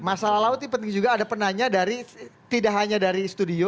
masalah laut ini penting juga ada penanya dari tidak hanya dari studio